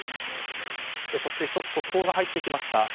そして、１つ速報が入ってきました。